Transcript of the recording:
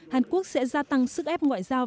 hàn quốc sẽ gia tăng sức ép ngoại giao